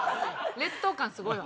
劣等感すごいわ。